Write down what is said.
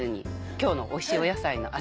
今日のおいしい野菜の味